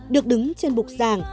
được đứng trên bục giảng